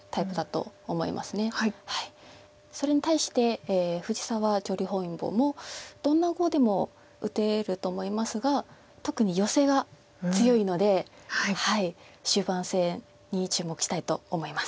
それに対して藤沢女流本因坊もどんな碁でも打てると思いますが特にヨセが強いので終盤戦に注目したいと思います。